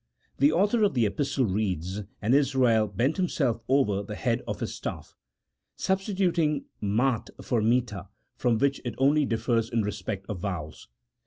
The author of the Epistle reads, " And Israel bent himself over the head of his staff," substituting mate for mita, from which it only differs in respect of vowels.